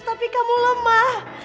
tapi kamu lemah